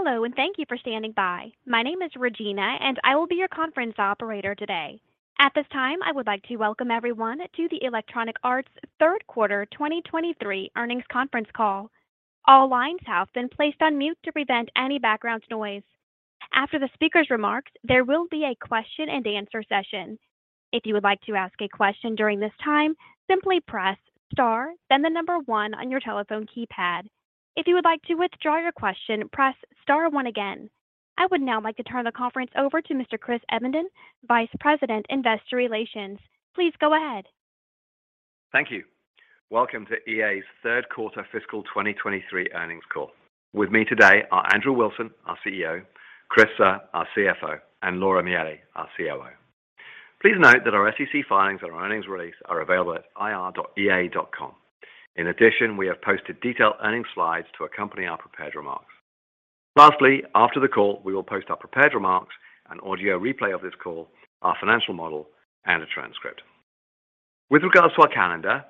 Hello, thank you for standing by. My name is Regina, I will be your conference operator today. At this time, I would like to welcome everyone to the Electronic Arts third quarter 2023 earnings conference call. All lines have been placed on mute to prevent any background noise. After the speaker's remarks, there will be a question-and-answer session. If you would like to ask a question during this time, simply press star, then 1 on your telephone keypad. If you would like to withdraw your question, press star one again. I would now like to turn the conference over to Mr. Chris Evenden, Vice President, Investor Relations. Please go ahead. Thank you. Welcome to EA's third quarter fiscal 2023 earnings call. With me today are Andrew Wilson, our CEO, Chris Suh, our CFO, and Laura Miele, our COO. Please note that our SEC filings and our earnings release are available at ir.ea.com. We have posted detailed earnings slides to accompany our prepared remarks. After the call, we will post our prepared remarks, an audio replay of this call, our financial model, and a transcript. With regards to our calendar,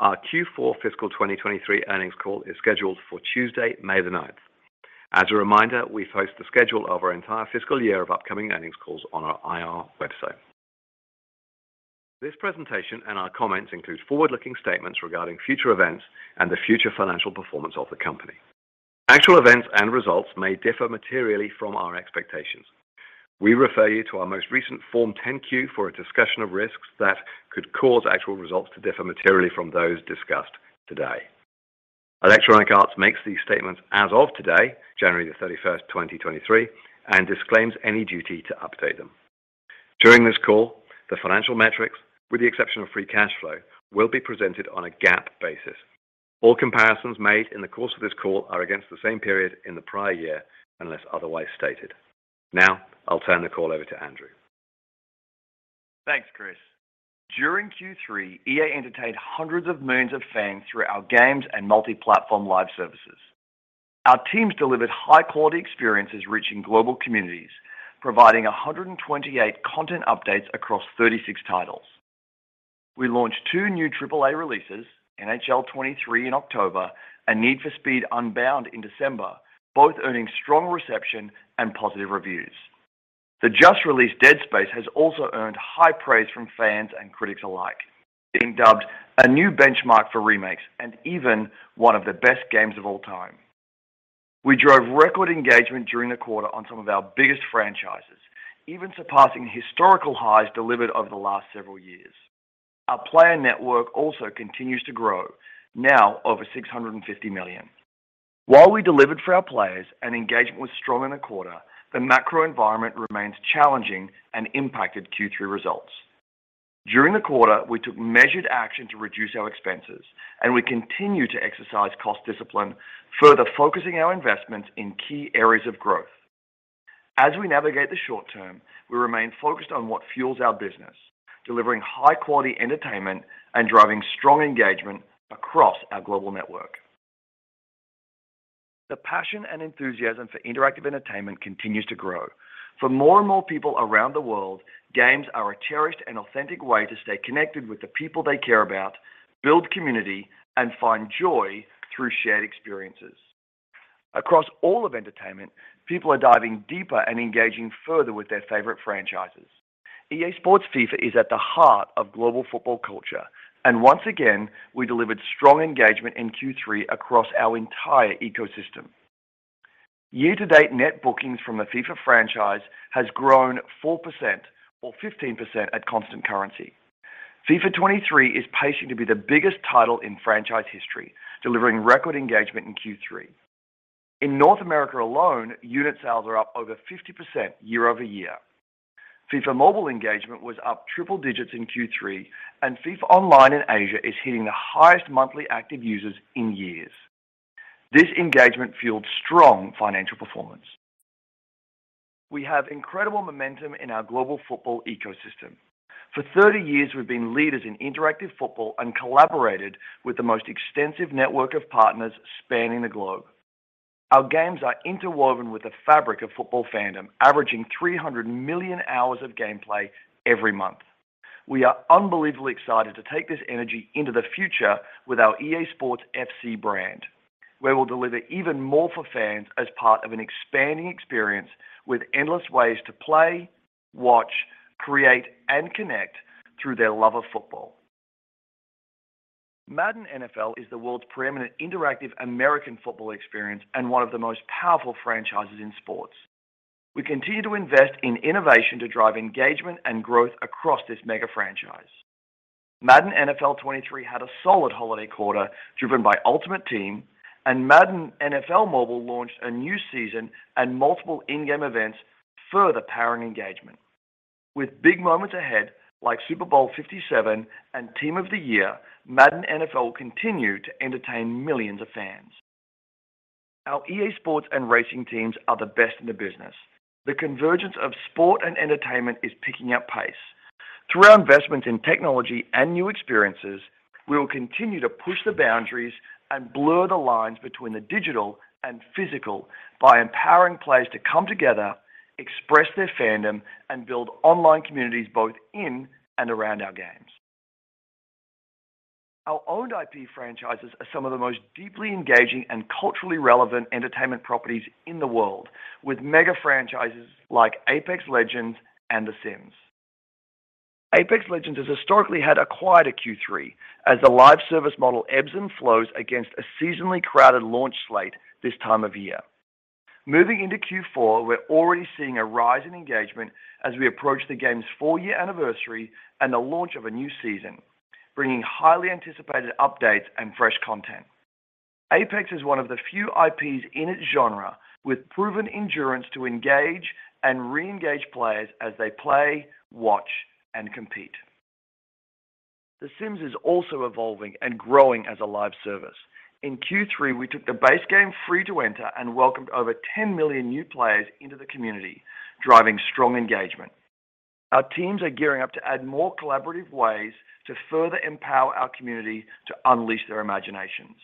our Q4 fiscal 2023 earnings call is scheduled for Tuesday, May 9th. As a reminder, we post the schedule of our entire fiscal year of upcoming earnings calls on our IR website. This presentation and our comments include forward-looking statements regarding future events and the future financial performance of the company. Actual events and results may differ materially from our expectations. We refer you to our most recent Form 10-Q for a discussion of risks that could cause actual results to differ materially from those discussed today. Electronic Arts makes these statements as of today, January 31st, 2023, and disclaims any duty to update them. During this call, the financial metrics, with the exception of free cash flow, will be presented on a GAAP basis. All comparisons made in the course of this call are against the same period in the prior year, unless otherwise stated. Now, I'll turn the call over to Andrew. Thanks, Chris. During Q3, EA entertained hundreds of millions of fans through our games and multi-platform live services. Our teams delivered high-quality experiences reaching global communities, providing 128 content updates across 36 titles. We launched two new AAA releases, NHL 23 in October and Need for Speed Unbound in December, both earning strong reception and positive reviews. The just-released Dead Space has also earned high praise from fans and critics alike, being dubbed a new benchmark for remakes and even one of the best games of all time. We drove record engagement during the quarter on some of our biggest franchises, even surpassing historical highs delivered over the last several years. Our player network also continues to grow, now over 650 million. We delivered for our players and engagement was strong in the quarter, the macro environment remains challenging and impacted Q3 results. During the quarter, we took measured action to reduce our expenses, and we continue to exercise cost discipline, further focusing our investments in key areas of growth. As we navigate the short term, we remain focused on what fuels our business, delivering high-quality entertainment and driving strong engagement across our global network. The passion and enthusiasm for interactive entertainment continues to grow. For more and more people around the world, games are a cherished and authentic way to stay connected with the people they care about, build community, and find joy through shared experiences. Across all of entertainment, people are diving deeper and engaging further with their favorite franchises. EA Sports FIFA is at the heart of global football culture. Once again, we delivered strong engagement in Q3 across our entire ecosystem. Year-to-date Net Bookings from the FIFA franchise has grown 4% or 15% at constant currency. FIFA 23 is pacing to be the biggest title in franchise history, delivering record engagement in Q3. In North America alone, unit sales are up over 50% year-over-year. FIFA Mobile engagement was up triple digits in Q3. FIFA Online in Asia is hitting the highest monthly active users in years. This engagement fueled strong financial performance. We have incredible momentum in our global football ecosystem. For 30 years, we've been leaders in interactive football and collaborated with the most extensive network of partners spanning the globe. Our games are interwoven with the fabric of football fandom, averaging 300 million hours of gameplay every month. We are unbelievably excited to take this energy into the future with our EA Sports FC brand, where we'll deliver even more for fans as part of an expanding experience with endless ways to play, watch, create, and connect through their love of football. Madden NFL is the world's preeminent interactive American football experience and one of the most powerful franchises in sports. We continue to invest in innovation to drive engagement and growth across this mega franchise. Madden NFL 23 had a solid holiday quarter driven by Ultimate Team, and Madden NFL Mobile launched a new season and multiple in-game events, further powering engagement. With big moments ahead, like Super Bowl LVII and Team of the Year, Madden NFL will continue to entertain millions of fans. Our EA Sports and racing teams are the best in the business. The convergence of sport and entertainment is picking up pace. Through our investment in technology and new experiences, we will continue to push the boundaries and blur the lines between the digital and physical by empowering players to come together, express their fandom, and build online communities both in and around our games. Our owned IP franchises are some of the most deeply engaging and culturally relevant entertainment properties in the world, with mega franchises like Apex Legends and The Sims. Apex Legends has historically had a quieter Q3 as the live service model ebbs and flows against a seasonally crowded launch slate this time of year. Moving into Q4, we're already seeing a rise in engagement as we approach the game's four-year anniversary and the launch of a new season, bringing highly anticipated updates and fresh content. Apex is one of the few IPs in its genre with proven endurance to engage and re-engage players as they play, watch, and compete. The Sims is also evolving and growing as a live service. In Q3, we took the base game free to enter and welcomed over 10 million new players into the community, driving strong engagement. Our teams are gearing up to add more collaborative ways to further empower our community to unleash their imaginations.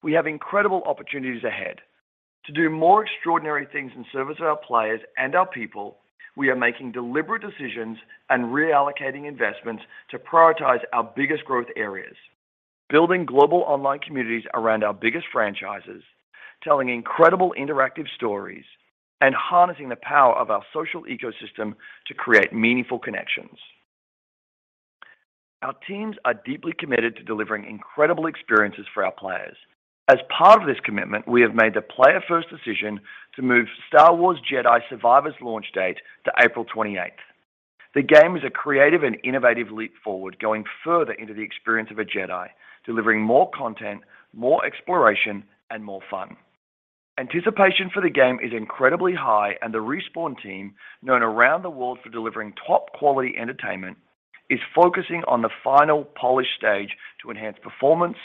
We have incredible opportunities ahead. To do more extraordinary things in service of our players and our people, we are making deliberate decisions and reallocating investments to prioritize our biggest growth areas: building global online communities around our biggest franchises, telling incredible interactive stories, and harnessing the power of our social ecosystem to create meaningful connections. Our teams are deeply committed to delivering incredible experiences for our players. As part of this commitment, we have made the player-first decision to move Star Wars Jedi: Survivor's launch date to April 28th. The game is a creative and innovative leap forward, going further into the experience of a Jedi, delivering more content, more exploration, and more fun. Anticipation for the game is incredibly high, and the Respawn team, known around the world for delivering top-quality entertainment, is focusing on the final polish stage to enhance performance,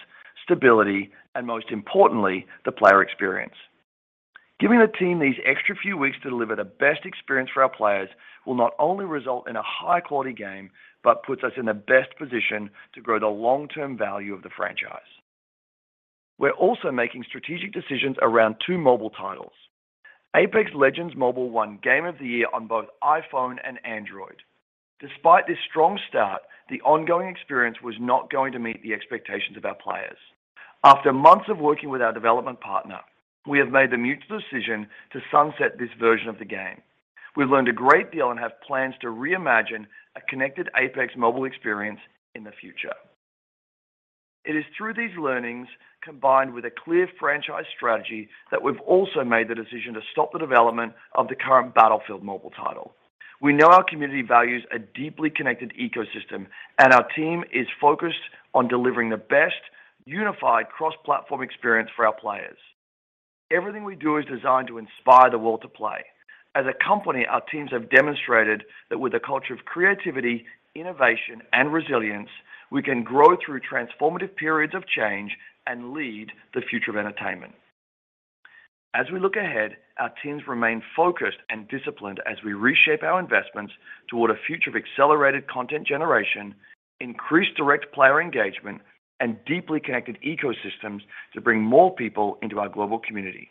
stability, and most importantly, the player experience. Giving the team these extra few weeks to deliver the best experience for our players will not only result in a high-quality game, but puts us in the best position to grow the long-term value of the franchise. We're also making strategic decisions around two mobile titles. Apex Legends Mobile won Game of the Year on both iPhone and Android. Despite this strong start, the ongoing experience was not going to meet the expectations of our players. After months of working with our development partner, we have made the mutual decision to sunset this version of the game. We've learned a great deal and have plans to reimagine a connected Apex mobile experience in the future. It is through these learnings, combined with a clear franchise strategy, that we've also made the decision to stop the development of the current Battlefield Mobile title. We know our community values a deeply connected ecosystem, and our team is focused on delivering the best unified cross-platform experience for our players. Everything we do is designed to inspire the world to play. As a company, our teams have demonstrated that with a culture of creativity, innovation, and resilience, we can grow through transformative periods of change and lead the future of entertainment. As we look ahead, our teams remain focused and disciplined as we reshape our investments toward a future of accelerated content generation, increased direct player engagement, and deeply connected ecosystems to bring more people into our global community.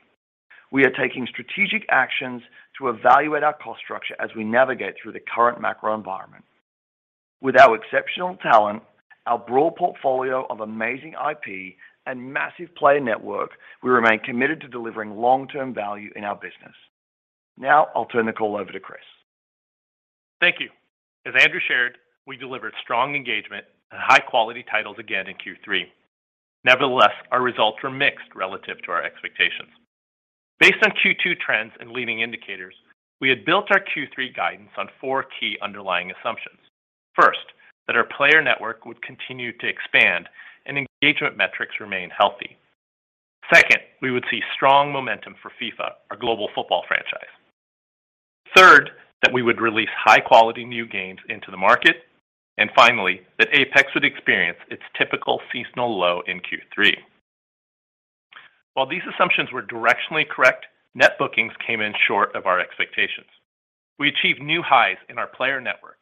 We are taking strategic actions to evaluate our cost structure as we navigate through the current macro environment. With our exceptional talent, our broad portfolio of amazing IP, and massive player network, we remain committed to delivering long-term value in our business. Now, I'll turn the call over to Chris. Thank you. As Andrew shared, we delivered strong engagement and high-quality titles again in Q3. Nevertheless, our results were mixed relative to our expectations. Based on Q2 trends and leading indicators, we had built our Q3 guidance on four key underlying assumptions. First, that our player network would continue to expand and engagement metrics remain healthy. Second, we would see strong momentum for FIFA, our global football franchise. Third, that we would release high-quality new games into the market. Finally, that Apex would experience its typical seasonal low in Q3. While these assumptions were directionally correct, Net Bookings came in short of our expectations. We achieved new highs in our player network,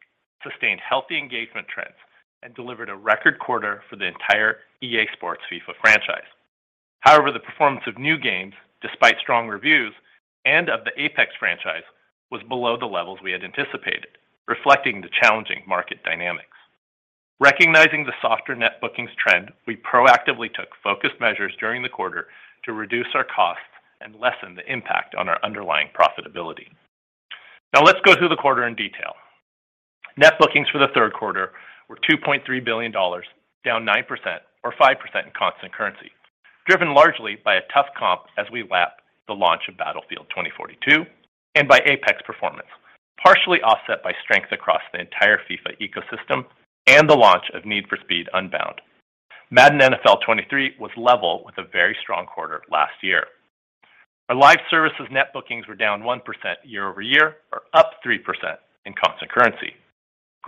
sustained healthy engagement trends, and delivered a record quarter for the entire EA Sports FIFA franchise. The performance of new games, despite strong reviews, and of the Apex franchise, was below the levels we had anticipated, reflecting the challenging market dynamics. Recognizing the softer Net Bookings trend, we proactively took focused measures during the quarter to reduce our costs and lessen the impact on our underlying profitability. Let's go through the quarter in detail. Net Bookings for the third quarter were $2.3 billion, down 9% or 5% in constant currency, driven largely by a tough comp as we lap the launch of Battlefield 2042 and by Apex performance, partially offset by strength across the entire FIFA ecosystem and the launch of Need for Speed Unbound. Madden NFL 23 was level with a very strong quarter last year. Our live services Net Bookings were down 1% year-over-year, or up 3% in constant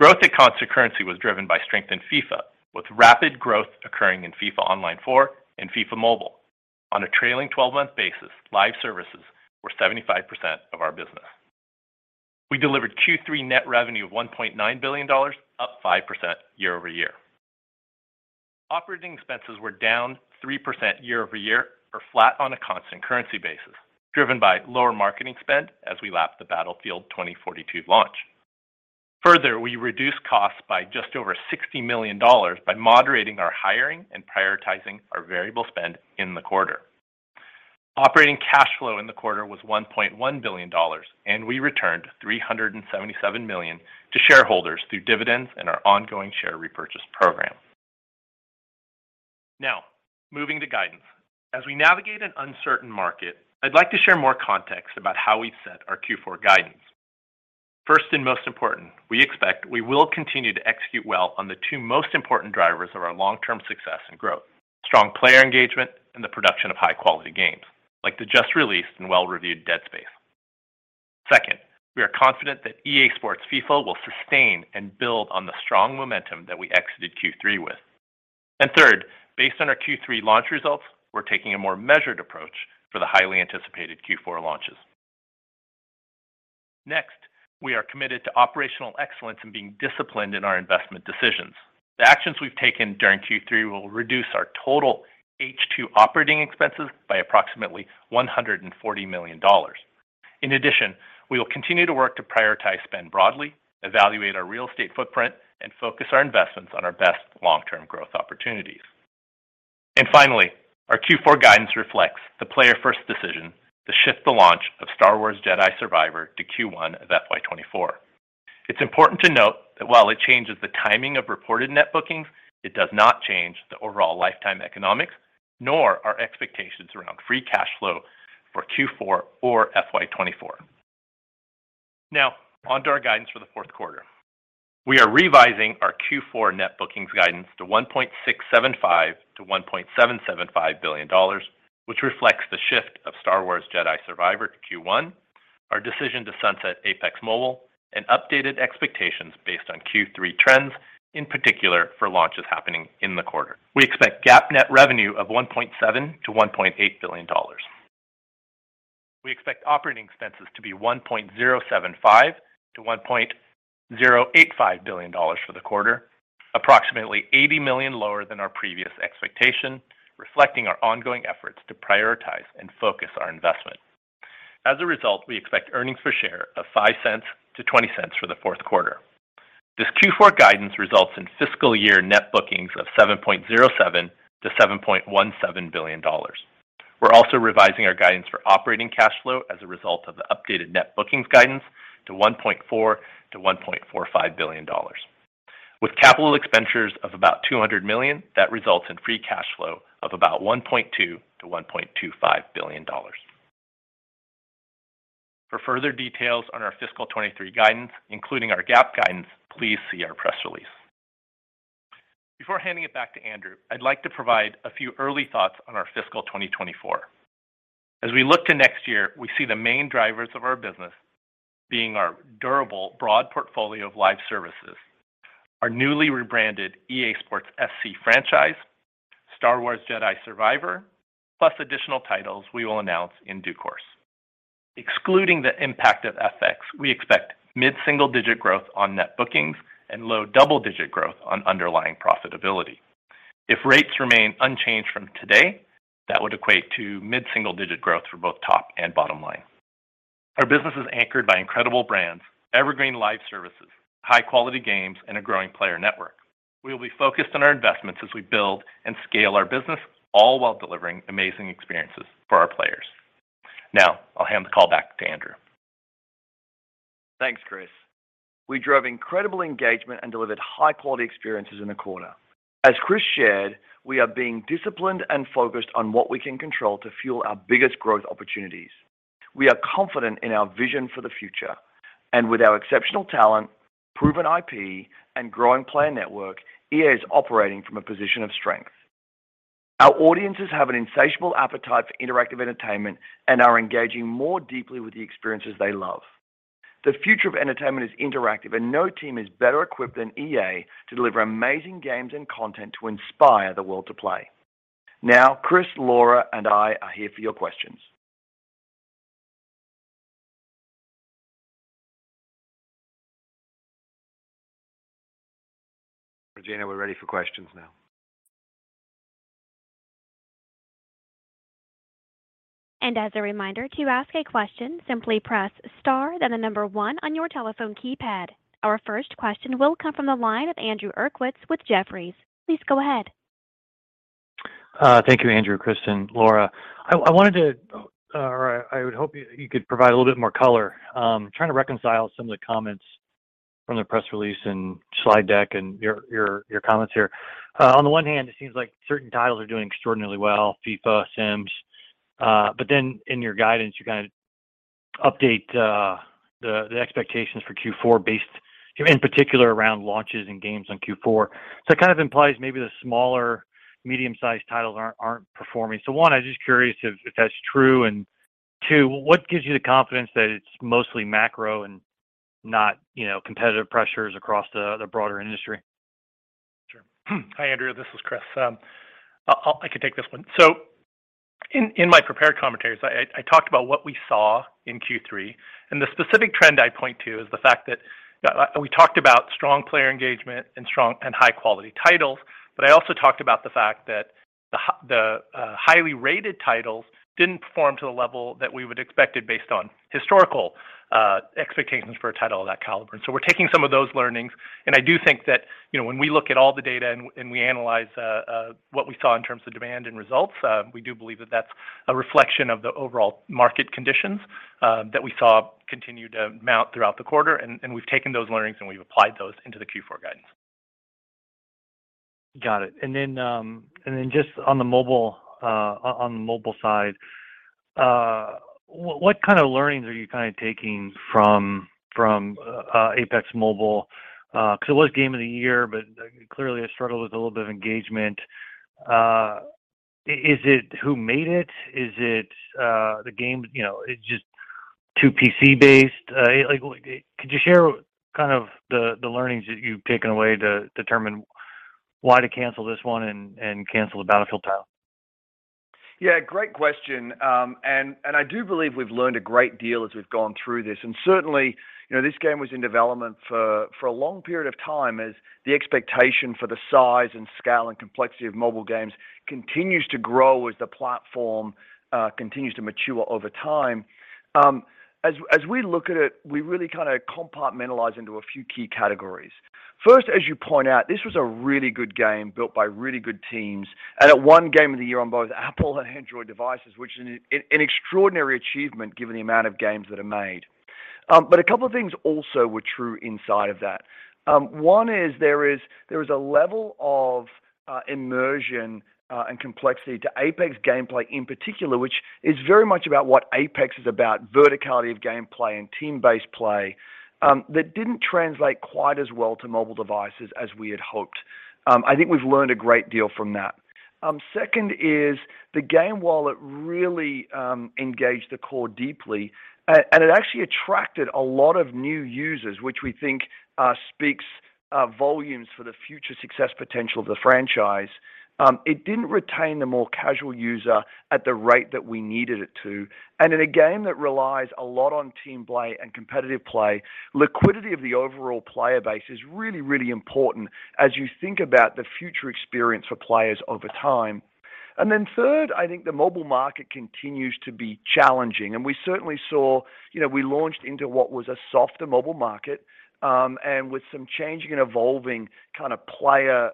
currency. Growth at constant currency was driven by strength in FIFA, with rapid growth occurring in FIFA Online 4 and FIFA Mobile. On a trailing twelve-month basis, live services were 75% of our business. We delivered Q3 net revenue of $1.9 billion, up 5% year-over-year. Operating expenses were down 3% year-over-year, or flat on a constant currency basis, driven by lower marketing spend as we lap the Battlefield 2042 launch. Further, we reduced costs by just over $60 million by moderating our hiring and prioritizing our variable spend in the quarter. Operating cash flow in the quarter was $1.1 billion, and we returned $377 million to shareholders through dividends and our ongoing share repurchase program. Now, moving to guidance. As we navigate an uncertain market, I'd like to share more context about how we set our Q4 guidance. First, and most important, we expect we will continue to execute well on the two most important drivers of our long-term success and growth: strong player engagement and the production of high-quality games, like the just-released and well-reviewed Dead Space. Second, we are confident that EA Sports FIFA will sustain and build on the strong momentum that we exited Q3 with. Third, based on our Q3 launch results, we're taking a more measured approach for the highly anticipated Q4 launches. We are committed to operational excellence and being disciplined in our investment decisions. The actions we've taken during Q3 will reduce our total H2 operating expenses by approximately $140 million. We will continue to work to prioritize spend broadly, evaluate our real estate footprint, and focus our investments on our best long-term growth opportunities. Finally, our Q4 guidance reflects the player-first decision to shift the launch of Star Wars Jedi: Survivor to Q1 of FY 2024. It's important to note that while it changes the timing of reported net bookings, it does not change the overall lifetime economics, nor our expectations around free cash flow for Q4 or FY 2024. Onto our guidance for the fourth quarter. We are revising our Q4 net bookings guidance to $1.675 billion-$1.775 billion, which reflects the shift of Star Wars Jedi: Survivor to Q1, our decision to sunset Apex Mobile, and updated expectations based on Q3 trends, in particular for launches happening in the quarter. We expect GAAP net revenue of $1.7 billion-$1.8 billion. We expect operating expenses to be $1.075 billion-$1.085 billion for the quarter, approximately $80 million lower than our previous expectation, reflecting our ongoing efforts to prioritize and focus our investment. We expect earnings per share of $0.05-$0.20 for the fourth quarter. This Q4 guidance results in fiscal year net bookings of $7.07 billion-$7.17 billion. We're also revising our guidance for operating cash flow as a result of the updated net bookings guidance to $1.4 billion-$1.45 billion. With capital expenditures of about $200 million, that results in free cash flow of about $1.2 billion-$1.25 billion. For further details on our fiscal 23 guidance, including our GAAP guidance, please see our press release. Before handing it back to Andrew, I'd like to provide a few early thoughts on our fiscal 2024. As we look to next year, we see the main drivers of our business being our durable broad portfolio of live services, our newly rebranded EA Sports FC franchise, Star Wars Jedi: Survivor, plus additional titles we will announce in due course. Excluding the impact of FX, we expect mid-single-digit growth on Net Bookings and low-double-digit growth on underlying profitability. If rates remain unchanged from today, that would equate to mid-single-digit growth for both top and bottom line. Our business is anchored by incredible brands, evergreen live services, high-quality games, and a growing player network. We will be focused on our investments as we build and scale our business, all while delivering amazing experiences for our players. I'll hand the call back to Andrew. Thanks, Chris. We drove incredible engagement and delivered high-quality experiences in the quarter. As Chris shared, we are being disciplined and focused on what we can control to fuel our biggest growth opportunities. We are confident in our vision for the future. With our exceptional talent, proven IP, and growing player network, EA is operating from a position of strength. Our audiences have an insatiable appetite for interactive entertainment and are engaging more deeply with the experiences they love. The future of entertainment is interactive, and no team is better equipped than EA to deliver amazing games and content to inspire the world to play. Now, Chris, Laura, and I are here for your questions. Regina, we're ready for questions now. As a reminder, to ask a question, simply press star then 1 on your telephone keypad. Our first question will come from the line of Andrew Uerkwitz with Jefferies. Please go ahead. Thank you Andrew, Kristen, Laura. I would hope you could provide a little bit more color. Trying to reconcile some of the comments from the press release and slide deck and your comments here. On the one hand, it seems like certain titles are doing extraordinarily well, FIFA, Sims. In your guidance, you kind of update the expectations for Q4 based in particular around launches and games on Q4. It kind of implies maybe the smaller medium-sized titles aren't performing. One, I'm just curious if that's true. Two, what gives you the confidence that it's mostly macro and not, you know, competitive pressures across the broader industry? Sure. Hi Andrew, this is Chris. I can take this one. In my prepared commentary, I talked about what we saw in Q3, and the specific trend I point to is the fact that we talked about strong player engagement and strong and high-quality titles, but I also talked about the fact that The highly rated titles didn't perform to the level that we would expected based on historical expectations for a title of that caliber. We're taking some of those learnings, and I do think that, you know, when we look at all the data and we analyze what we saw in terms of demand and results, we do believe that that's a reflection of the overall market conditions that we saw continue to mount throughout the quarter. We've taken those learnings, and we've applied those into the Q4 guidance. Got it. Then just on the mobile side, what kind of learnings are you kind of taking from Apex Mobile? 'Cause it was game of the year, but clearly it struggled with a little bit of engagement. Is it who made it? Is it the game, you know, is it just too PC-based? Like could you share kind of the learnings that you've taken away to determine why to cancel this one and cancel the Battlefield title? Yeah, great question. I do believe we've learned a great deal as we've gone through this. Certainly, you know, this game was in development for a long period of time as the expectation for the size and scale and complexity of mobile games continues to grow as the platform continues to mature over time. As we look at it, we really kind of compartmentalize into a few key categories. First, as you point out, this was a really good game built by really good teams, and it won game of the year on both Apple and Android devices, which is an extraordinary achievement given the amount of games that are made. A couple of things also were true inside of that. One is there is a level of immersion and complexity to Apex gameplay in particular, which is very much about what Apex is about, verticality of gameplay and team-based play, that didn't translate quite as well to mobile devices as we had hoped. I think we've learned a great deal from that. Second is the game, while it really engaged the core deeply, and it actually attracted a lot of new users, which we think speaks volumes for the future success potential of the franchise, it didn't retain the more casual user at the rate that we needed it to. In a game that relies a lot on team play and competitive play, liquidity of the overall player base is really, really important as you think about the future experience for players over time. Then third, I think the mobile market continues to be challenging. We certainly saw, you know, we launched into what was a softer mobile market, and with some changing and evolving kind of player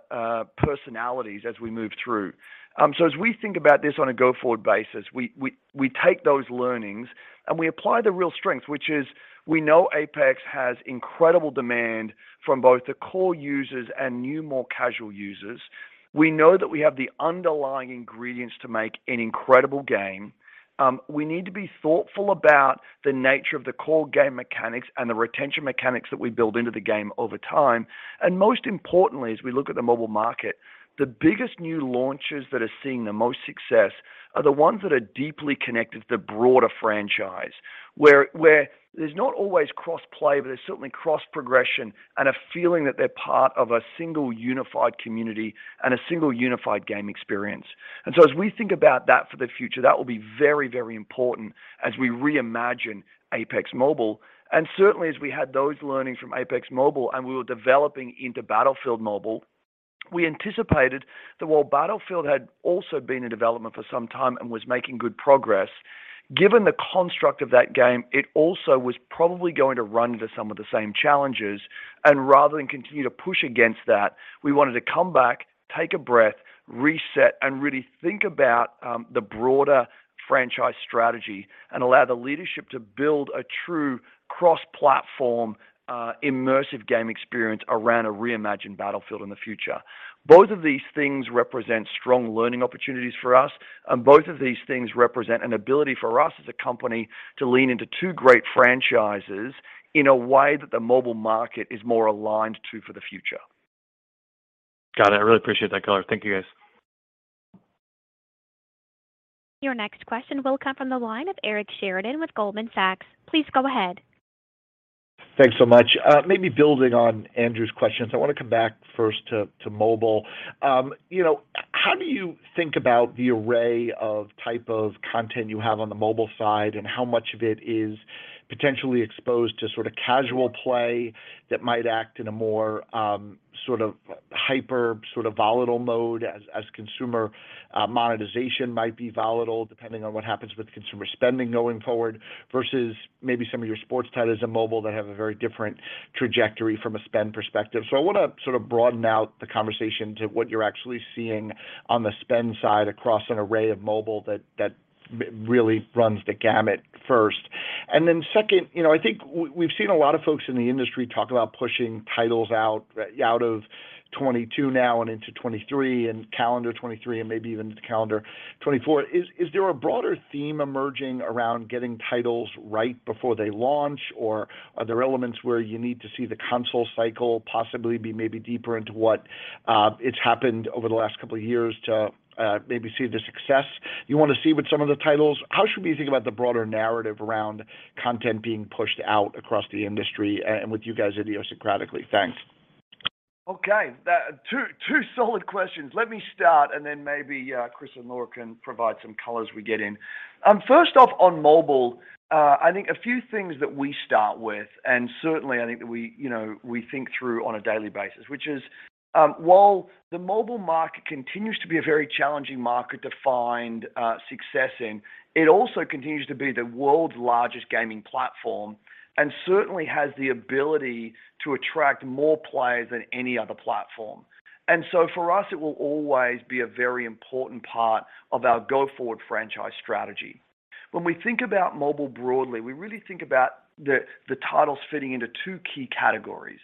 personalities as we moved through. As we think about this on a go-forward basis, we take those learnings, and we apply the real strength, which is we know Apex has incredible demand from both the core users and new, more casual users. We know that we have the underlying ingredients to make an incredible game. We need to be thoughtful about the nature of the core game mechanics and the retention mechanics that we build into the game over time. Most importantly, as we look at the mobile market, the biggest new launches that are seeing the most success are the ones that are deeply connected to the broader franchise, where there's not always cross-play, but there's certainly cross-progression and a feeling that they're part of a single unified community and a single unified game experience. As we think about that for the future, that will be very, very important as we reimagine Apex Mobile. Certainly, as we had those learnings from Apex Mobile and we were developing into Battlefield Mobile, we anticipated that while Battlefield had also been in development for some time and was making good progress, given the construct of that game, it also was probably going to run into some of the same challenges. Rather than continue to push against that, we wanted to come back, take a breath, reset, and really think about the broader franchise strategy and allow the leadership to build a true cross-platform, immersive game experience around a reimagined Battlefield in the future. Both of these things represent strong learning opportunities for us, and both of these things represent an ability for us as a company to lean into two great franchises in a way that the mobile market is more aligned to for the future. Got it. I really appreciate that color. Thank you, guys. Your next question will come from the line of Eric Sheridan with Goldman Sachs. Please go ahead. Thanks so much. Maybe building on Andrew's questions, I want to come back first to mobile. you know, how do you think about the array of type of content you have on the mobile side and how much of it is potentially exposed to sort of casual play that might act in a more, sort of hyper, sort of volatile mode as consumer monetization might be volatile depending on what happens with consumer spending going forward, versus maybe some of your sports titles in mobile that have a very different trajectory from a spend perspective. I want to sort of broaden out the conversation to what you're actually seeing on the spend side across an array of mobile that really runs the gamut first. Second, you know, I think we've seen a lot of folks in the industry talk about pushing titles out of 2022 now and into 2023 and calendar 2023 and maybe even into calendar 2024. Is there a broader theme emerging around getting titles right before they launch, or are there elements where you need to see the console cycle possibly be maybe deeper into what it's happened over the last couple of years to maybe see the success you want to see with some of the titles? How should we think about the broader narrative around content being pushed out across the industry and with you guys idiosyncratically? Thanks. Okay. The two solid questions. Let me start, and then maybe Chris and Laura can provide some color as we get in. First off, on mobile, I think a few things that we start with, and certainly I think that we, you know, we think through on a daily basis, which is. While the mobile market continues to be a very challenging market to find success in, it also continues to be the world's largest gaming platform and certainly has the ability to attract more players than any other platform. For us, it will always be a very important part of our go-forward franchise strategy. When we think about mobile broadly, we really think about the titles fitting into two key categories.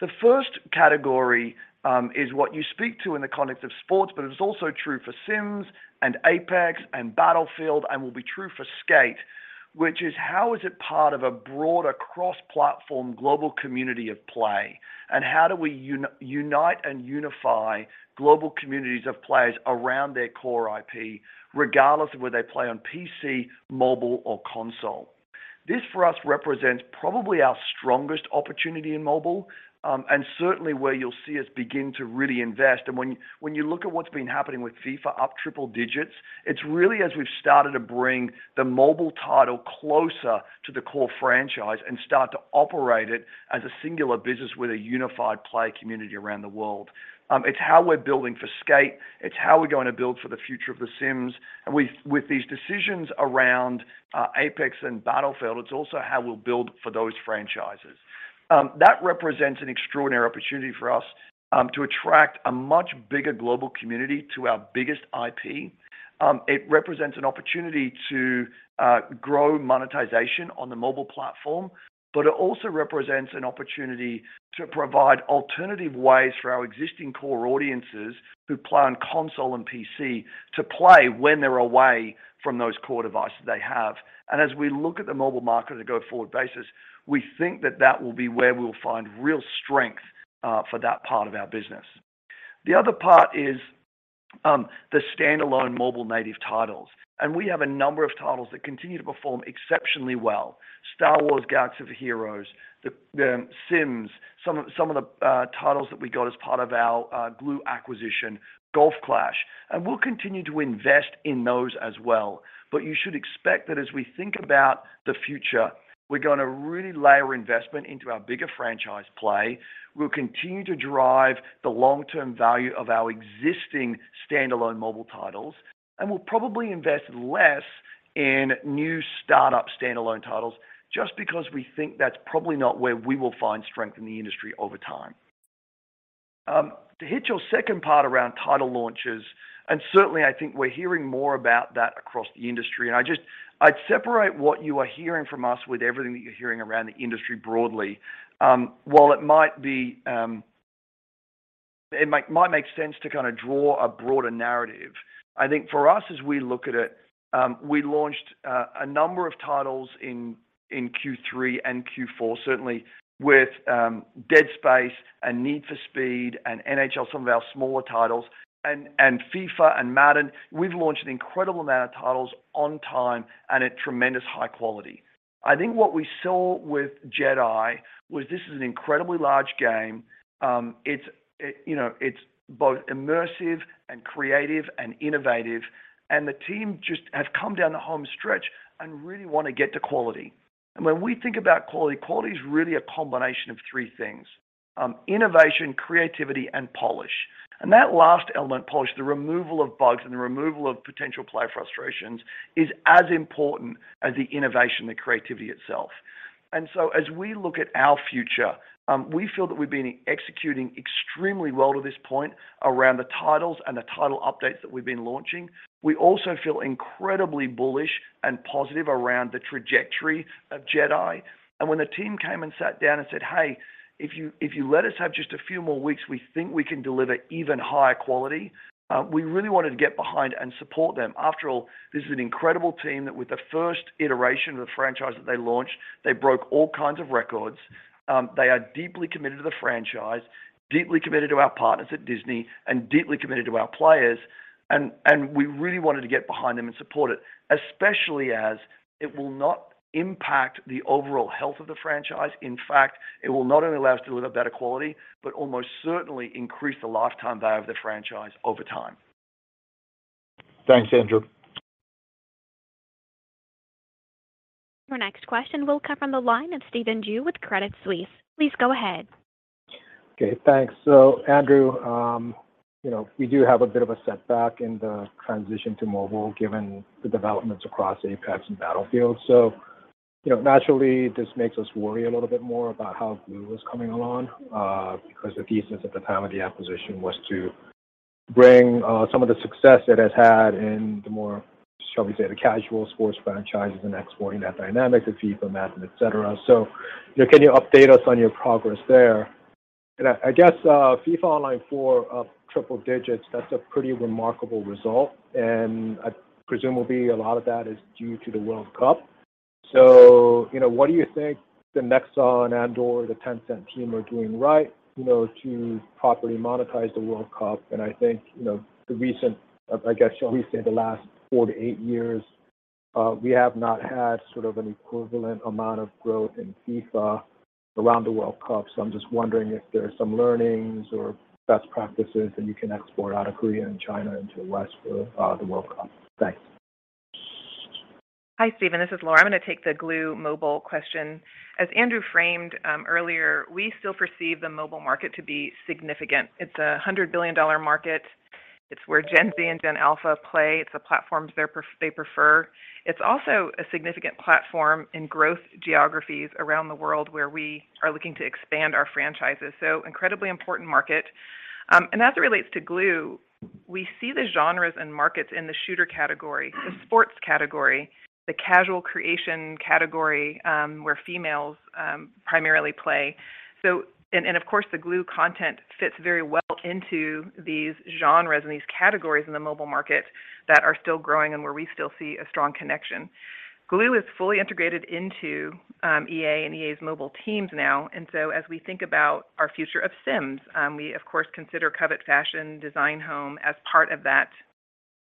The first category, is what you speak to in the context of sports, but it is also true for Sims and Apex and Battlefield and will be true for Skate, which is how is it part of a broader cross-platform global community of play and how do we unite and unify global communities of players around their core IP, regardless of whether they play on PC, mobile or console. This, for us, represents probably our strongest opportunity in mobile, and certainly where you'll see us begin to really invest. When you look at what's been happening with FIFA up triple digits, it's really as we've started to bring the mobile title closer to the core franchise and start to operate it as a singular business with a unified play community around the world. It's how we're building for Skate. It's how we're going to build for the future of The Sims. With these decisions around Apex and Battlefield, it's also how we'll build for those franchises. That represents an extraordinary opportunity for us to attract a much bigger global community to our biggest IP. It represents an opportunity to grow monetization on the mobile platform, but it also represents an opportunity to provide alternative ways for our existing core audiences who play on console and PC to play when they're away from those core devices they have. As we look at the mobile market on a go-forward basis, we think that that will be where we'll find real strength for that part of our business. The other part is the standalone mobile native titles, and we have a number of titles that continue to perform exceptionally well. Star Wars: Galaxy of Heroes, The Sims, some of the titles that we got as part of our Glu acquisition, Golf Clash, and we'll continue to invest in those as well. You should expect that as we think about the future, we're going to really layer investment into our bigger franchise play. We'll continue to drive the long-term value of our existing standalone mobile titles, and we'll probably invest less in new startup standalone titles just because we think that's probably not where we will find strength in the industry over time. To hit your second part around title launches, and certainly I think we're hearing more about that across the industry, and I'd separate what you are hearing from us with everything that you're hearing around the industry broadly. While it might be... It might make sense to kind of draw a broader narrative. I think for us as we look at it, we launched a number of titles in Q3 and Q4, certainly with Dead Space and Need for Speed and NHL, some of our smaller titles, and FIFA and Madden. We've launched an incredible amount of titles on time and at tremendous high quality. I think what we saw with Jedi was this is an incredibly large game. It's, you know, it's both immersive and creative and innovative, and the team just have come down the home stretch and really want to get to quality. And when we think about quality is really a combination of three things: innovation, creativity, and polish. That last element, polish, the removal of bugs and the removal of potential player frustrations is as important as the innovation, the creativity itself. As we look at our future, we feel that we've been executing extremely well to this point around the titles and the title updates that we've been launching. We also feel incredibly bullish and positive around the trajectory of Jedi. When the team came and sat down and said, "Hey, if you, if you let us have just a few more weeks, we think we can deliver even higher quality," we really wanted to get behind and support them. After all, this is an incredible team that with the first iteration of the franchise that they launched, they broke all kinds of records. They are deeply committed to the franchise, deeply committed to our partners at Disney, and deeply committed to our players and we really wanted to get behind them and support it, especially as it will not impact the overall health of the franchise. In fact, it will not only allow us to deliver better quality, but almost certainly increase the lifetime value of the franchise over time. Thanks, Andrew. Your next question will come from the line of Stephen Ju with Credit Suisse. Please go ahead. Okay, thanks. Andrew, you know, we do have a bit of a setback in the transition to mobile given the developments across Apex and Battlefield. Naturally, this makes us worry a little bit more about how Glu is coming along, because the thesis at the time of the acquisition was to bring some of the success it has had in the more, shall we say, the casual sports franchises and exporting that dynamic to FIFA, Madden, et cetera. Can you update us on your progress there? I guess FIFA Online 4 up triple digits, that's a pretty remarkable result, and I presume will be a lot of that is due to the World Cup. You know, what do you think the Nexon and or the Tencent team are doing right, you know, to properly monetize the World Cup? I think, you know, the recent, I guess, shall we say the last 4-8 years, we have not had sort of an equivalent amount of growth in FIFA around the World Cup. I'm just wondering if there are some learnings or best practices that you can export out of Korea and China into the West for, the World Cup. Thanks. Hi, Stephen, this is Laura. I'm going to take the Glu Mobile question. As Andrew framed earlier, we still perceive the mobile market to be significant. It's a $100 billion market. It's where Gen Z and Gen Alpha play. It's the platforms they prefer. It's also a significant platform in growth geographies around the world where we are looking to expand our franchises. Incredibly important market. As it relates to Glu Mobile, we see the genres and markets in the shooter category, the sports category, the casual creation category, where females primarily play. Of course, the Glu Mobile content fits very well into these genres and these categories in the mobile market that are still growing and where we still see a strong connection. Glu is fully integrated into EA and EA's mobile teams now. As we think about our future of Sims, we of course consider Covet Fashion, Design Home as part of that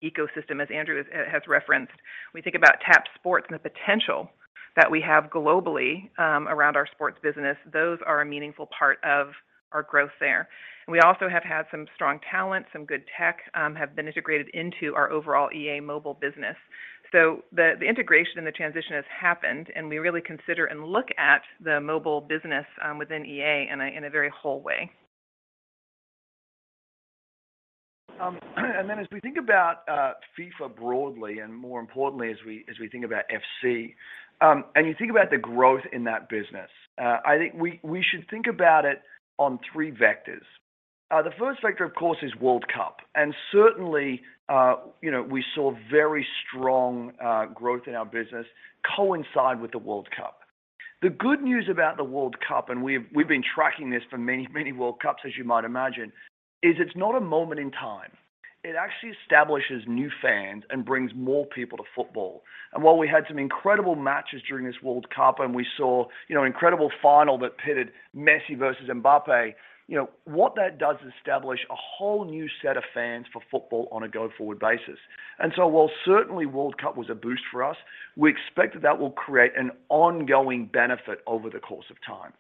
ecosystem, as Andrew has referenced. We think about Tap Sports and the potential that we have globally around our sports business. Those are a meaningful part of our growth there. We also have had some strong talent, some good tech, have been integrated into our overall EA Mobile business. The integration and the transition has happened, and we really consider and look at the mobile business within EA in a very whole way. As we think about FIFA broadly, and more importantly, as we think about FC, and you think about the growth in that business, I think we should think about it on three vectors. The first vector, of course, is World Cup. Certainly, you know, we saw very strong growth in our business coincide with the World Cup. The good news about the World Cup, and we've been tracking this for many World Cups, as you might imagine, is it's not a moment in time. It actually establishes new fans and brings more people to football. While we had some incredible matches during this World Cup, we saw, you know, incredible final that pitted Messi versus Mbappe, you know, what that does is establish a whole new set of fans for football on a go-forward basis. While certainly World Cup was a boost for us, we expect that that will create an ongoing benefit over the course of time.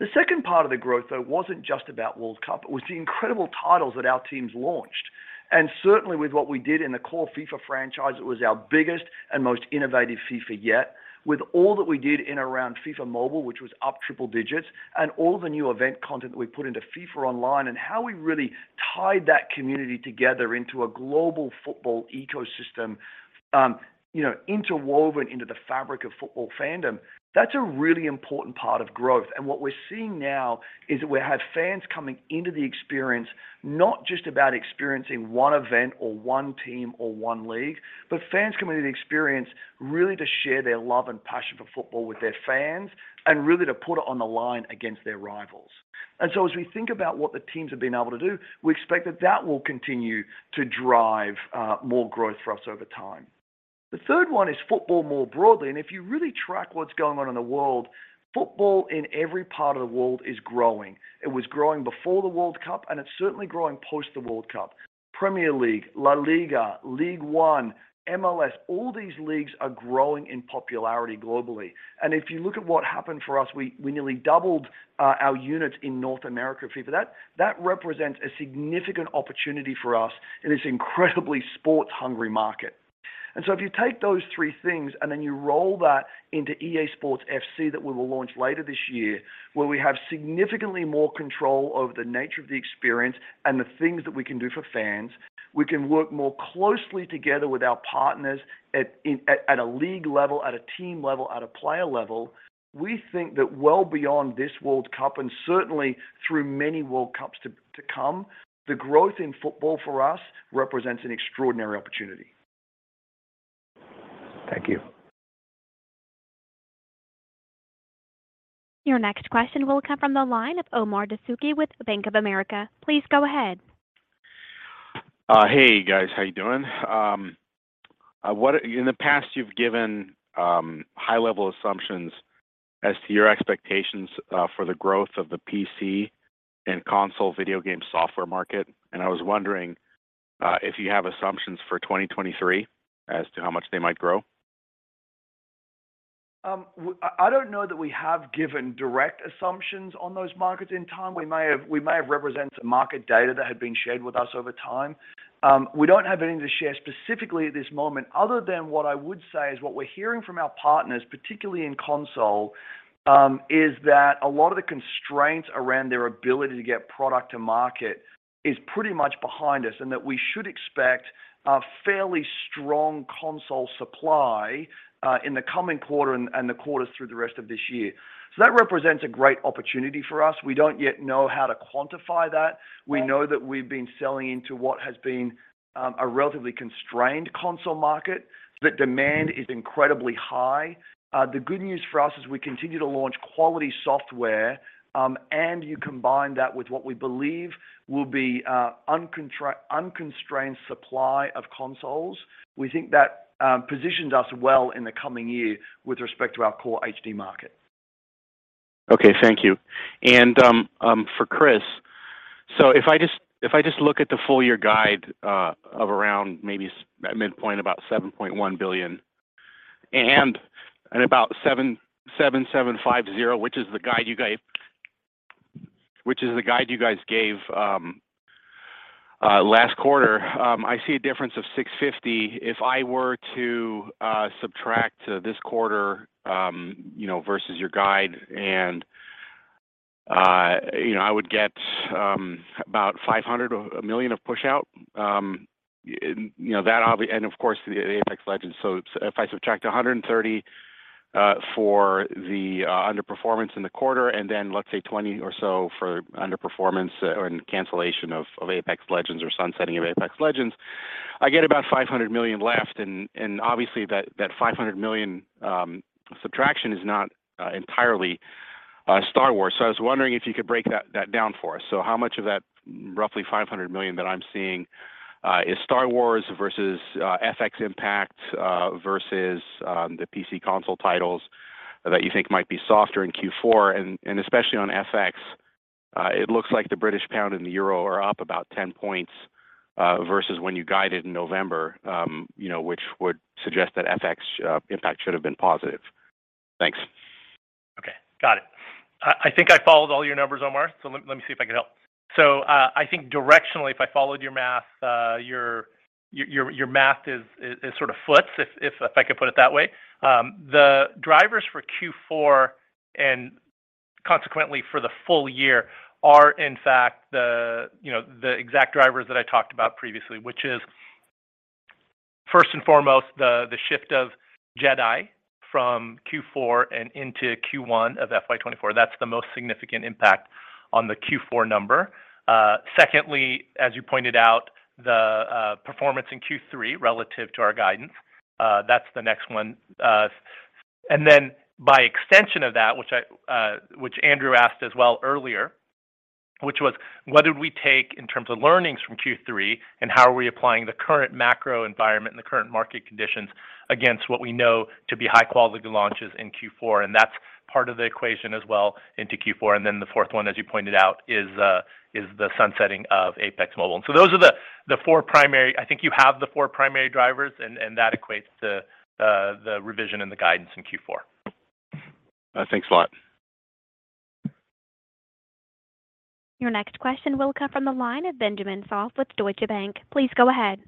The second part of the growth, though, wasn't just about World Cup. It was the incredible titles that our teams launched. Certainly with what we did in the core FIFA franchise, it was our biggest and most innovative FIFA yet. With all that we did in around FIFA Mobile, which was up triple digits, and all the new event content that we put into FIFA Online, and how we really tied that community together into a global football ecosystem, you know, interwoven into the fabric of football fandom, that's a really important part of growth. What we're seeing now is that we have fans coming into the experience, not just about experiencing one event or one team or one league, but fans coming into the experience really to share their love and passion for football with their fans and really to put it on the line against their rivals. As we think about what the teams have been able to do, we expect that that will continue to drive more growth for us over time. The third one is football more broadly. If you really track what's going on in the world, football in every part of the world is growing. It was growing before the World Cup. It's certainly growing post the World Cup. Premier League, La Liga, Ligue 1, MLS, all these leagues are growing in popularity globally. If you look what happened for us, we nearly doubled our units in North America for FIFA. That represents a significant opportunity for us in this incredibly sports-hungry market. If you take those three things and then you roll that into EA Sports FC that we will launch later this year, where we have significantly more control over the nature of the experience and the things that we can do for fans, we can work more closely together with our partners at a league level, at a team level, at a player level. We think that well beyond this World Cup and certainly through many World Cups to come, the growth in football for us represents an extraordinary opportunity. Thank you. Your next question will come from the line of Omar Dessouky with Bank of America. Please go ahead. Hey, guys. How you doing? In the past, you've given high-level assumptions as to your expectations for the growth of the PC and console video game software market. I was wondering if you have assumptions for 2023 as to how much they might grow. I don't know that we have given direct assumptions on those markets in time. We may have, we may have represented market data that had been shared with us over time. We don't have anything to share specifically at this moment other than what I would say is what we're hearing from our partners, particularly in console, is that a lot of the constraints around their ability to get product to market is pretty much behind us, and that we should expect a fairly strong console supply in the coming quarter and the quarters through the rest of this year. That represents a great opportunity for us. We don't yet know how to quantify that. We know that we've been selling into what has been a relatively constrained console market. The demand is incredibly high. The good news for us is we continue to launch quality software, and you combine that with what we believe will be unconstrained supply of consoles. We think that positions us well in the coming year with respect to our core HD market. Okay. Thank you. For Chris. If I just look at the full year guide, of around maybe midpoint about $7.1 billion and about $7,750, which is the guide you guys Which is the guide you guys gave last quarter. I see a difference of $650. If I were to subtract this quarter, you know, versus your guide and, you know, I would get about $500 or $1 million of push out. You know, that and of course, the Apex Legends. If I subtract $130 for the underperformance in the quarter and then let's say $20 or so for underperformance or in cancellation of Apex Legends or sunsetting of Apex Legends, I get about $500 million left. Obviously that $500 million subtraction is not entirely Star Wars. I was wondering if you could break that down for us. How much of that roughly $500 million that I'm seeing is Star Wars versus FX impact versus the PC console titles that you think might be softer in Q4. Especially on FX. It looks like the British pound and the euro are up about 10 points versus when you guided in November, you know, which would suggest that FX impact should have been positive. Thanks. Okay. Got it. I think I followed all your numbers, Omar, so let me see if I can help. I think directionally, if I followed your math, your math is sort of foots if I could put it that way. The drivers for Q4 and consequently for the full year are in fact the, you know, the exact drivers that I talked about previously, which is first and foremost, the shift of Jedi from Q4 and into Q1 of FY 2024. That's the most significant impact on the Q4 number. Secondly, as you pointed out, the performance in Q3 relative to our guidance, that's the next one. By extension of that, which Andrew asked as well earlier, which was what did we take in terms of learnings from Q3 and how are we applying the current macro environment and the current market conditions against what we know to be high quality launches in Q4? That's part of the equation as well into Q4. The fourth one, as you pointed out, is the sunsetting of Apex Mobile. Those are the four primary. I think you have the four primary drivers and that equates to the revision and the guidance in Q4. Thanks a lot. Your next question will come from the line of Benjamin Soff with Deutsche Bank. Please go ahead.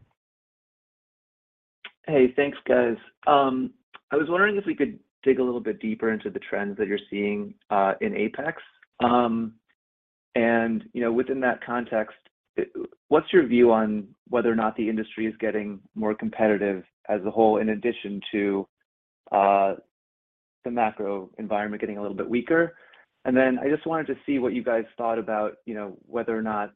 Hey, thanks, guys. I was wondering if we could dig a little bit deeper into the trends that you're seeing in Apex. You know, within that context, what's your view on whether or not the industry is getting more competitive as a whole in addition to the macro environment getting a little bit weaker? I just wanted to see what you guys thought about, you know, whether or not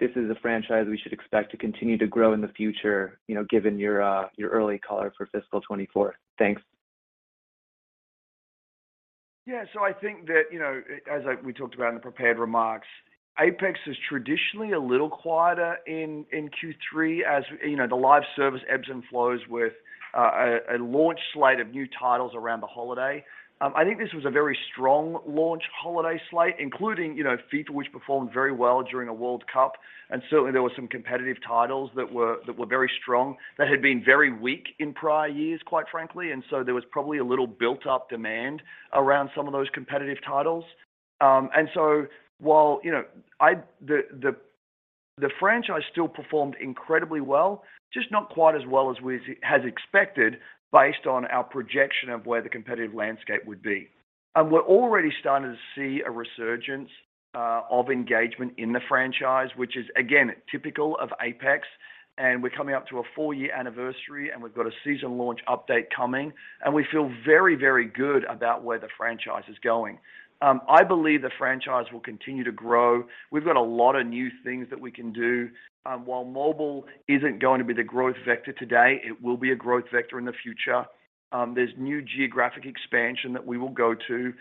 this is a franchise we should expect to continue to grow in the future, you know, given your early color for fiscal 2024. Thanks. Yeah. I think that, you know, as we talked about in the prepared remarks, Apex is traditionally a little quieter in Q3 as, you know, the live service ebbs and flows with a launch slate of new titles around the holiday. I think this was a very strong launch holiday slate, including, you know, FIFA, which performed very well during a World Cup. Certainly there were some competitive titles that were very strong that had been very weak in prior years, quite frankly. There was probably a little built up demand around some of those competitive titles. While, you know, the franchise still performed incredibly well, just not quite as well as we had expected based on our projection of where the competitive landscape would be. We're already starting to see a resurgence of engagement in the franchise, which is again, typical of Apex. We're coming up to a 4-year anniversary, and we've got a season launch update coming, and we feel very, very good about where the franchise is going. I believe the franchise will continue to grow. We've got a lot of new things that we can do. While mobile isn't going to be the growth vector today, it will be a growth vector in the future. There's new geographic expansion that we will go to.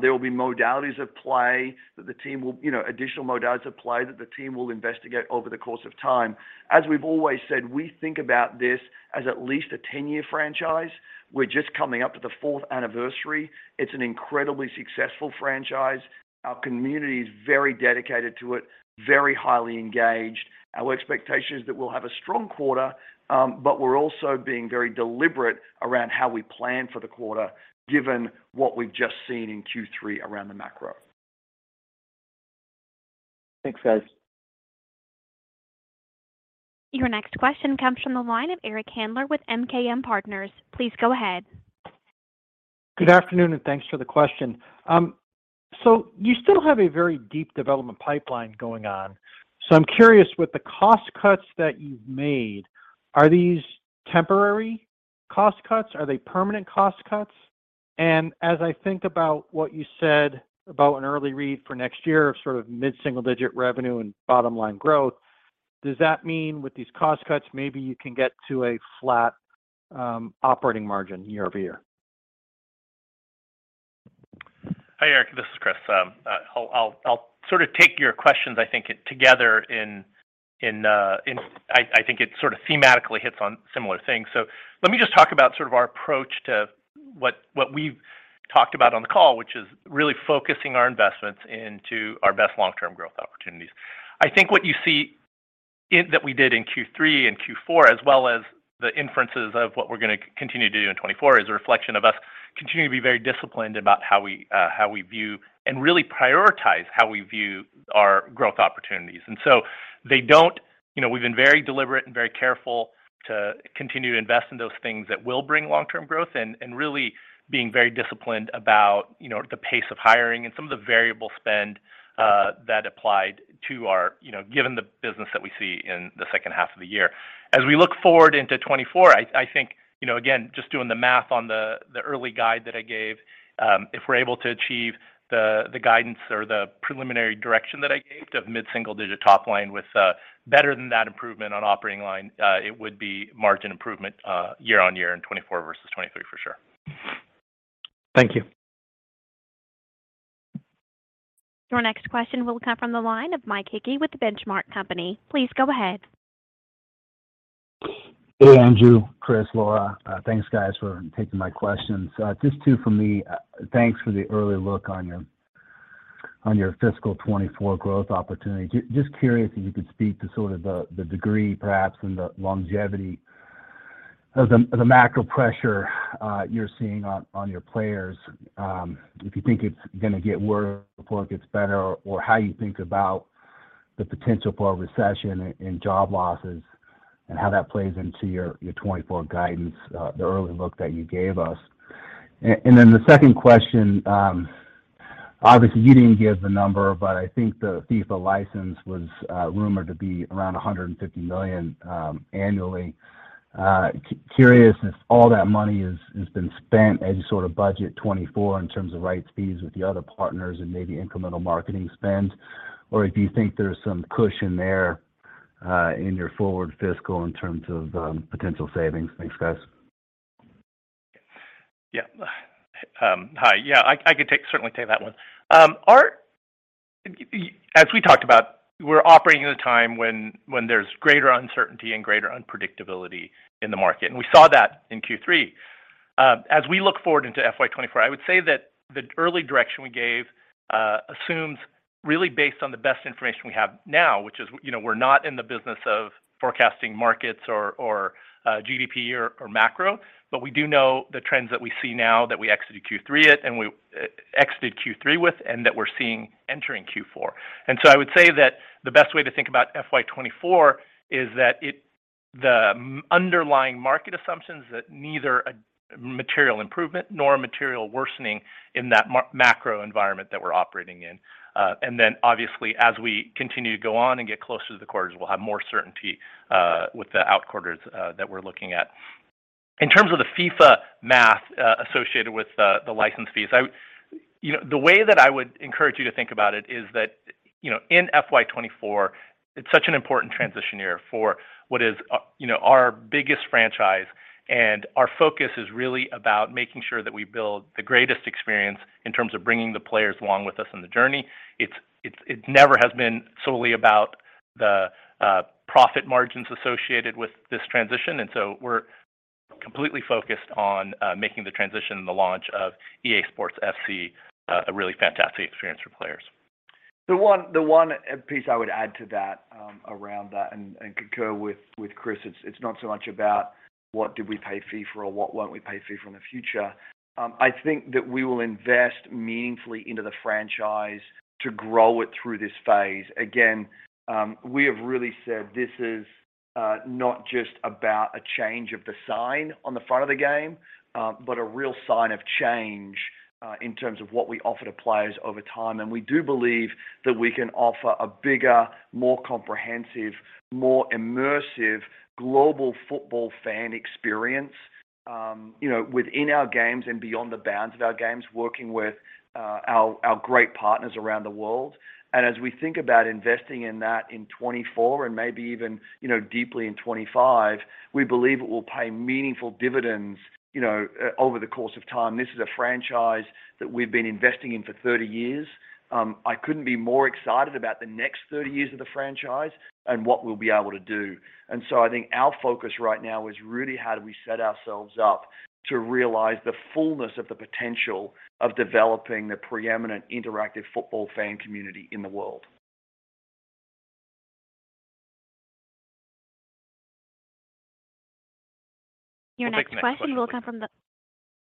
There will be modalities of play that the team will, you know, additional modalities of play that the team will investigate over the course of time. As we've always said, we think about this as at least a 10-year franchise. We're just coming up to the fourth anniversary. It's an incredibly successful franchise. Our community is very dedicated to it, very highly engaged. Our expectation is that we'll have a strong quarter, but we're also being very deliberate around how we plan for the quarter, given what we've just seen in Q3 around the macro. Thanks, guys. Your next question comes from the line of Eric Handler with MKM Partners. Please go ahead. Good afternoon. Thanks for the question. You still have a very deep development pipeline going on. I'm curious, with the cost cuts that you've made, are these temporary cost cuts? Are they permanent cost cuts? As I think about what you said about an early read for next year of sort of mid-single digit revenue and bottom-line growth, does that mean with these cost cuts, maybe you can get to a flat operating margin year-over-year? Hi, Eric. This is Chris. I'll sort of take your questions, I think together. I think it sort of thematically hits on similar things. Let me just talk about sort of our approach to what we've talked about on the call, which is really focusing our investments into our best long-term growth opportunities. I think what you see. That we did in Q3 and Q4, as well as the inferences of what we're gonna continue to do in 2024 is a reflection of us continuing to be very disciplined about how we, how we view and really prioritize how we view our growth opportunities. You know, we've been very deliberate and very careful to continue to invest in those things that will bring long-term growth and really being very disciplined about, you know, the pace of hiring and some of the variable spend that applied to our, you know, given the business that we see in the second half of the year. As we look forward into 2024, I think, you know, again, just doing the math on the early guide that I gave, if we're able to achieve the guidance or the preliminary direction that I gave of mid-single digit top line with better than that improvement on operating line, it would be margin improvement year-on-year in 2024 versus 2023 for sure. Thank you. Your next question will come from the line of Mike Hickey with The Benchmark Company. Please go ahead. Hey, Andrew, Chris, Laura. Thanks guys for taking my questions. Just two from me. Thanks for the early look on your fiscal 2024 growth opportunity. Just curious if you could speak to sort of the degree perhaps and the longevity of the macro pressure, you're seeing on your players, if you think it's gonna get worse before it gets better or how you think about the potential for a recession and job losses and how that plays into your 2024 guidance, the early look that you gave us. The second question, obviously you didn't give the number, but I think the FIFA license was rumored to be around $150 million annually. Curious if all that money has been spent as you sort of budget 2024 in terms of rights fees with the other partners and maybe incremental marketing spend or if you think there's some cushion there, in your forward fiscal in terms of potential savings. Thanks, guys. Yeah. Hi. Yeah, I could certainly take that one. As we talked about, we're operating in a time when there's greater uncertainty and greater unpredictability in the market, and we saw that in Q3. As we look forward into FY 24, I would say that the early direction we gave assumes really based on the best information we have now, which is, you know, we're not in the business of forecasting markets or GDP or macro, but we do know the trends that we see now that we exited Q3 at and we exited Q3 with, and that we're seeing entering Q4. I would say that the best way to think about FY 2024 is that the underlying market assumptions that neither a material improvement nor a material worsening in that macro environment that we're operating in. Then obviously as we continue to go on and get closer to the quarters, we'll have more certainty with the out quarters that we're looking at. In terms of the FIFA math associated with the license fees. You know, the way that I would encourage you to think about it is that, you know, in FY 2024, it's such an important transition year for what is you know, our biggest franchise and our focus is really about making sure that we build the greatest experience in terms of bringing the players along with us on the journey. It never has been solely about the profit margins associated with this transition. We're completely focused on making the transition and the launch of EA Sports FC a really fantastic experience for players. The one piece I would add to that, around that and concur with Chris, it's not so much about what did we pay FIFA or what won't we pay FIFA in the future. I think that we will invest meaningfully into the franchise to grow it through this phase. Again, we have really said this is not just about a change of the sign on the front of the game, but a real sign of change in terms of what we offer to players over time. We do believe that we can offer a bigger, more comprehensive, more immersive global football fan experience, you know, within our games and beyond the bounds of our games, working with our great partners around the world. As we think about investing in that in 2024 and maybe even, you know, deeply in 2025, we believe it will pay meaningful dividends, you know, over the course of time. This is a franchise that we've been investing in for 30 years. I couldn't be more excited about the next 30 years of the franchise and what we'll be able to do. I think our focus right now is really how do we set ourselves up to realize the fullness of the potential of developing the preeminent interactive football fan community in the world. I'll take the next question.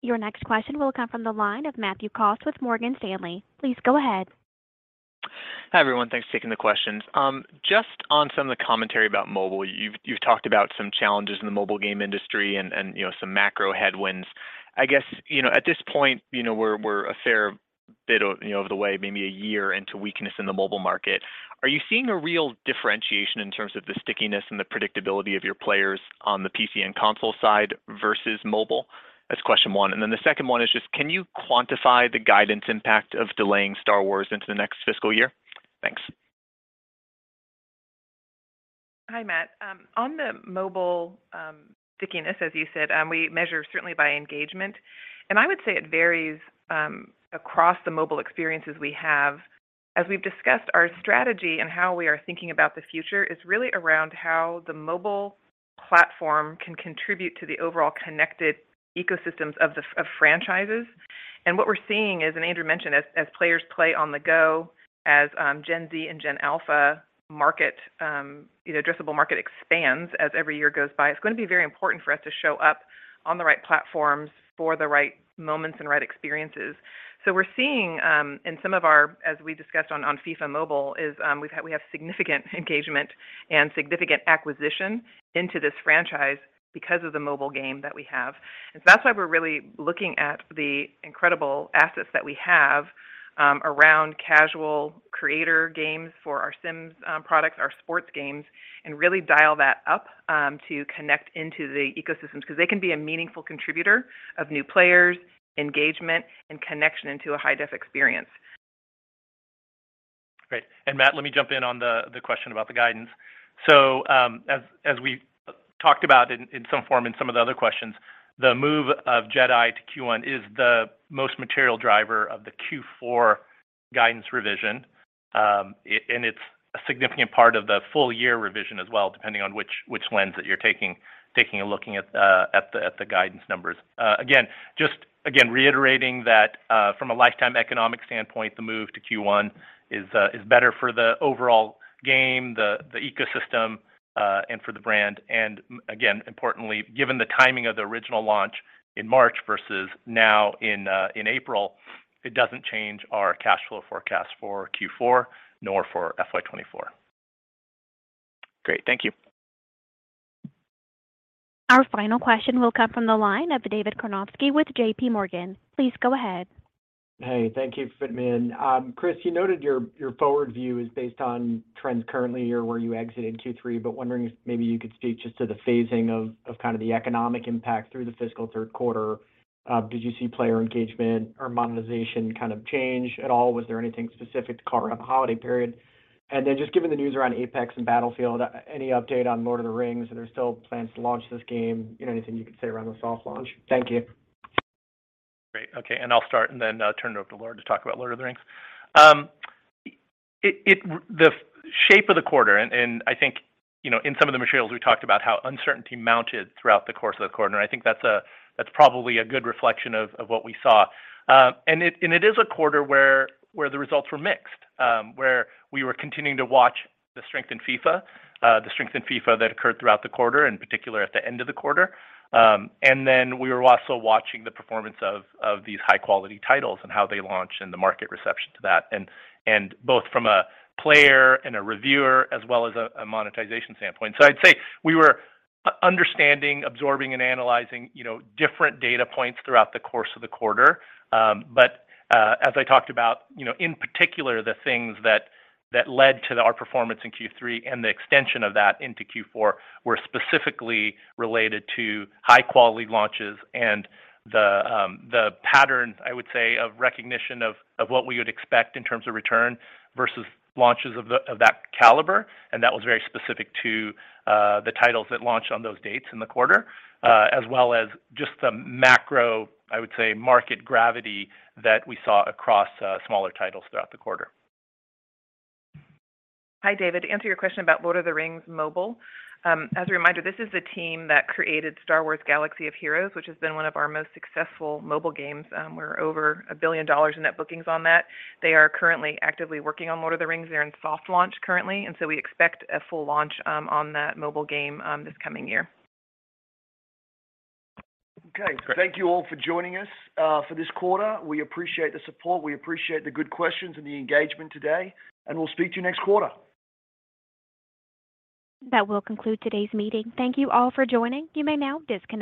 Your next question will come from the line of Matthew Cost with Morgan Stanley. Please go ahead. Hi, everyone. Thanks for taking the questions. just on some of the commentary about mobile. You've talked about some challenges in the mobile game industry and, you know, some macro headwinds. I guess, you know, at this point, you know, we're a fair bit of the way, maybe a year into weakness in the mobile market. Are you seeing a real differentiation in terms of the stickiness and the predictability of your players on the PC and console side versus mobile? That's question one. The second one is just can you quantify the guidance impact of delaying Star Wars into the next fiscal year? Thanks. Hi, Matt. on the mobile, stickiness, as you said, we measure certainly by engagement, I would say it varies, across the mobile experiences we have. As we've discussed our strategy and how we are thinking about the future is really around how the mobile Platform can contribute to the overall connected ecosystems of the franchises. What we're seeing is, and Andrew mentioned, as players play on the go, Gen Z and Gen Alpha market, you know, addressable market expands as every year goes by, it's gonna be very important for us to show up on the right platforms for the right moments and right experiences. We're seeing, in some of our, as we discussed on FIFA Mobile is, we have significant engagement and significant acquisition into this franchise because of the mobile game that we have. That's why we're really looking at the incredible assets that we have around casual creator games for our Sims products, our sports games, and really dial that up to connect into the ecosystems 'cause they can be a meaningful contributor of new players, engagement, and connection into a high-def experience. Great. Matt, let me jump in on the question about the guidance. As we talked about in some form in some of the other questions, the move of Jedi to Q1 is the most material driver of the Q4 guidance revision. And it's a significant part of the full year revision as well, depending on which lens that you're taking and looking at the guidance numbers. Again, reiterating that from a lifetime economic standpoint, the move to Q1 is better for the overall game, the ecosystem, and for the brand. Again, importantly, given the timing of the original launch in March versus now in April, it doesn't change our cash flow forecast for Q4 nor for FY24. Great. Thank you. Our final question will come from the line of David Karnovsky with JPMorgan. Please go ahead. Hey, thank you for fitting me in. Chris, you noted your forward view is based on trends currently or where you exit in Q3, but wondering if maybe you could speak just to the phasing of kind of the economic impact through the fiscal third quarter. Did you see player engagement or monetization kind of change at all? Was there anything specific to cover the holiday period? Then just given the news around Apex and Battlefield, any update on The Lord of the Rings? Are there still plans to launch this game? You know, anything you could say around the soft launch? Thank you. Great. Okay. I'll start and then, turn it over to Laura to talk about The Lord of the Rings. The shape of the quarter and I think, you know, in some of the materials, we talked about how uncertainty mounted throughout the course of the quarter, and I think that's probably a good reflection of what we saw. It is a quarter where the results were mixed, where we were continuing to watch the strength in FIFA, the strength in FIFA that occurred throughout the quarter, in particular at the end of the quarter. Then we were also watching the performance of these high-quality titles and how they launched and the market reception to that, and both from a player and a reviewer as well as a monetization standpoint. I'd say we were understanding, absorbing, and analyzing, you know, different data points throughout the course of the quarter. As I talked about, you know, in particular, the things that led to our performance in Q3 and the extension of that into Q4 were specifically related to high-quality launches and the pattern, I would say, of recognition of what we would expect in terms of return versus launches of that caliber, and that was very specific to the titles that launched on those dates in the quarter, as well as just the macro, I would say, market gravity that we saw across smaller titles throughout the quarter. Hi, David. To answer your question about Lord of the Rings Mobile, as a reminder, this is the team that created Star Wars: Galaxy of Heroes, which has been one of our most successful mobile games. We're over $1 billion in Net Bookings on that. They are currently actively working on Lord of the Rings. They're in soft launch currently, we expect a full launch on that mobile game this coming year. Okay. Thank you all for joining us, for this quarter. We appreciate the support. We appreciate the good questions and the engagement today. We'll speak to you next quarter. That will conclude today's meeting. Thank you all for joining. You may now disconnect.